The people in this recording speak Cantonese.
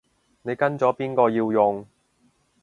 你跟咗邊個要用